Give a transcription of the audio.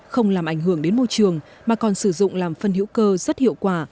không làm ảnh hưởng đến môi trường mà còn sử dụng làm phân hữu cơ rất hiệu quả